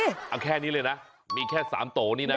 เอาแค่นี้เลยนะมีแค่๓โตนี่นะ